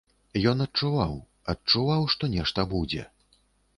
Ён адчуваў, адчуваў што нешта будзе.